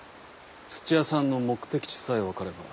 土屋さんの目的地さえ分かれば。